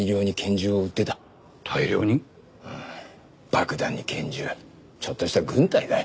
爆弾に拳銃ちょっとした軍隊だよ。